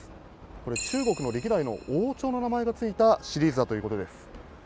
これ、中国の歴代の王朝の名前がついたシリーズだということです。